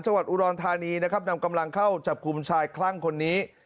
จังหวัดอุดรธานีนะครับนำกำลังเข้าจับกลุ่มชายคลั่งคนนี้